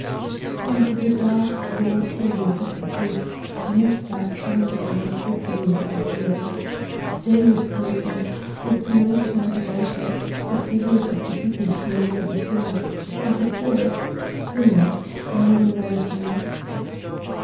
And the dark, broad silhouette of the priest moved back silently and quickly and disappeared. Day was breaking: the snow turned whiter, the figures of the people became more distinct, and the forest—thinner, more melancholy.